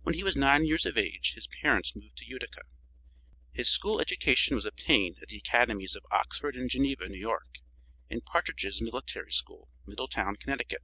When he was nine years of age his parents moved to Utica. His school education was obtained at the academies of Oxford and Geneva, New York, and Partridge's military school, Middletown, Connecticut.